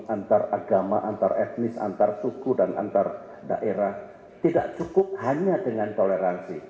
antar agama antar etnis antar suku dan antar daerah tidak cukup hanya dengan toleransi